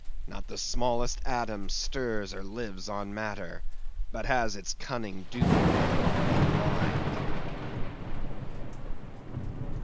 not the smallest atom stirs or lives on matter, but has its cunning duplicate in mind."